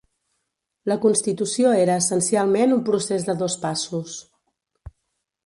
La constitució era essencialment un procés de dos passos.